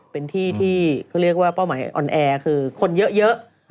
เป็นที่ที่เขาเรียกว่าเป้าหมายออนแอร์คือคนเยอะ